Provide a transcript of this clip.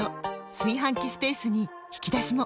炊飯器スペースに引き出しも！